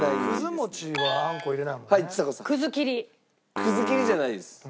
くず切りじゃないです。